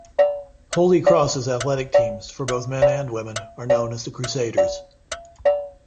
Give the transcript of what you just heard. Holy Cross's athletic teams for both men and women are known as the Crusaders.